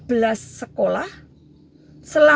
selama lima belas hari sejak dilakukan pemeriksaan